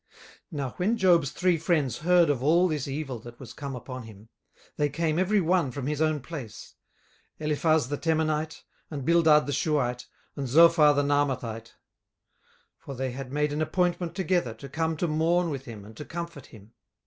18:002:011 Now when Job's three friends heard of all this evil that was come upon him, they came every one from his own place; Eliphaz the Temanite, and Bildad the Shuhite, and Zophar the Naamathite: for they had made an appointment together to come to mourn with him and to comfort him.